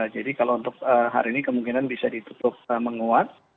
jadi kalau untuk hari ini kemungkinan bisa ditutup menguat